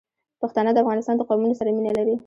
پښتانه د افغانستان د قومونو سره مینه لري.